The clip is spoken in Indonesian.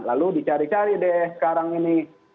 lalu dicari cari deh sekarang ini